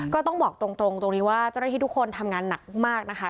ก็ต้องบอกตรงตรงนี้ว่าเจ้าหน้าที่ทุกคนทำงานหนักมากนะคะ